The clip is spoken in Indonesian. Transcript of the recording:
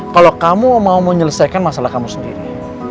kalau kamu mau menyelesaikan masalah kamu sendiri